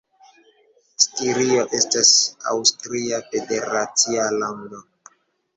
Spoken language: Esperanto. Stirio estas aŭstria federacia lando.